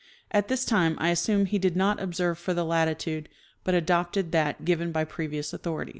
At this time I assume he did not observe, for the latitude, but adopted that given by previous authorities.